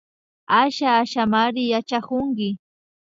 Asha Ashamari yachakunki